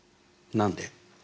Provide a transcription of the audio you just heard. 何で？